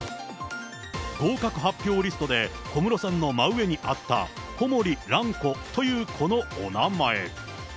合格発表リストで、小室さんの真上にあった、コモリ・ランコというこのお名前。